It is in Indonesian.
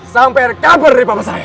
sampai rk berdiri bapak saya